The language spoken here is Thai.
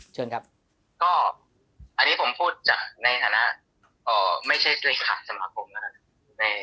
อเจมส์อันนี้ผมพูดจากในฐานะไม่ใช่บริษัทสมัครกรมนะครับ